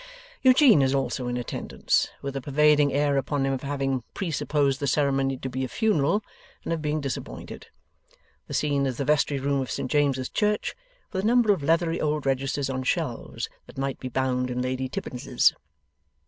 Eugene is also in attendance, with a pervading air upon him of having presupposed the ceremony to be a funeral, and of being disappointed. The scene is the Vestry room of St James's Church, with a number of leathery old registers on shelves, that might be bound in Lady Tippinses.